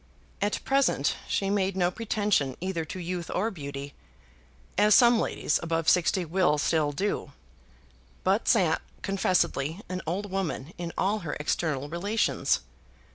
At present she made no pretension either to youth or beauty, as some ladies above sixty will still do, but sat confessedly an old woman in all her external relations.